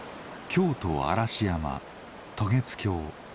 京都・嵐山渡月橋。